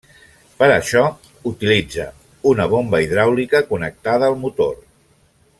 Per a això utilitza una bomba hidràulica connectada al motor.